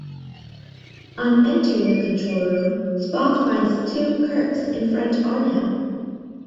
On entering a control room, Spock finds two Kirks in front on him.